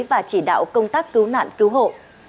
và chỉ đạo công tác cứu nạn cứu hộ